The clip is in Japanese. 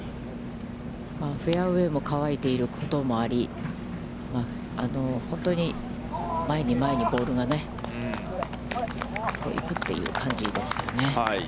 フェアウェイも乾いていることもあり、本当に、前に前にボールがね、行くっていう感じですよね。